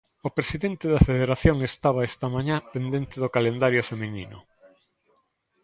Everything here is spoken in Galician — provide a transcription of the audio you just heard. O presidente da Federación estaba esta mañá pendente do calendario feminino.